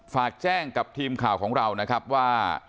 ฝากแจ้งกับทีมข่าวของเราว่า